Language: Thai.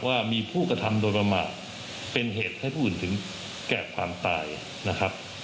ว่ามีผู้กระทำโดยประมาทเป็นเหตุให้ผู้อื่นถึงแก่ความตายนะครับ